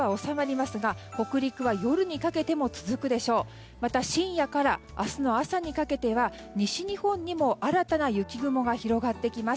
また深夜から明日の朝にかけては西日本にも新たな雪雲が広がってきます。